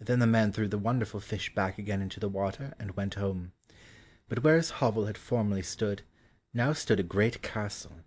Then the man threw the wonderful fish back again into the water, and went home. But where his hovel had formerly stood, now stood a great castle.